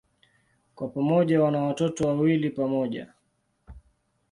Kwa pamoja wana watoto wawili pamoja.